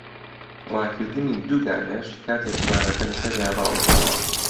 ڕاکردنی دوو گامێش کاتێک سوارەکە لەسەریان ڕاوەستاوە